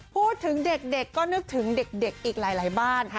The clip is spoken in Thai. พูดถึงเด็กก็นึกถึงเด็กอีกหลายบ้าน